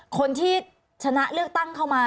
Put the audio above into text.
คนที่ชนะเลือกตั้งเข้ามา